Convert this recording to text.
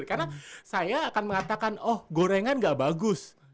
karena saya akan mengatakan oh gorengan gak bagus